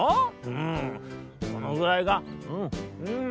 うんこのぐらいがうんうん」。